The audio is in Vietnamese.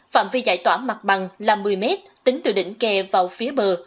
phạm vi giải tỏa mặt bằng là một mươi m tính từ đỉnh kè vào phía bờ